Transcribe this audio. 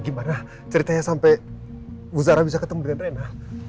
gimana ceritanya sampai bu sara bisa ketemu dengan rena